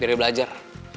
biar dia belajar